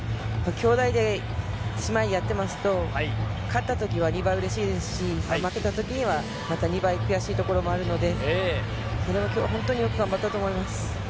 きょうだいで、姉妹でやってますと、勝ったときは２倍うれしいですし、負けたときにはまた２倍悔しいところもあるので、きょうは本当によく頑張ったと思います。